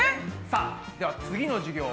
さあでは次の授業は。